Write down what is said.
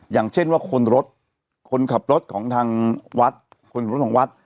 อย่างเช่นว่าคนรถคนขับรถของทางวัดคนขับรถของวัด